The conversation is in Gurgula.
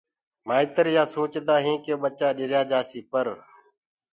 مآئيتر يآ سوچدآ هين ڪي ٻچآ ڏريآ جآسي پر